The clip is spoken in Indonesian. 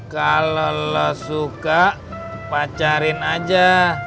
kalau lo suka pacarin aja